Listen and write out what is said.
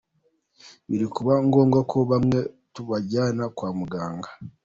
Biri kuba ngombwa ko bamwe tubajyana kwa muganga.